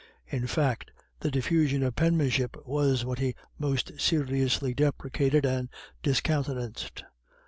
In fact, the diffusion of penmanship was what he most seriously deprecated and discountenanced.